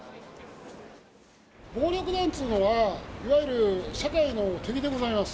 暴力団っつうのは、いわゆる社会の敵でございます。